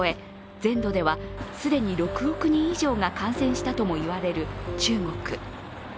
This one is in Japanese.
全土では既に６億人以上が感染したとも言われる中国。